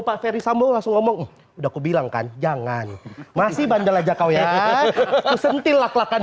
pak ferry sambung langsung ngomong udah aku bilang kan jangan masih bandel aja kau ya sentil laklakan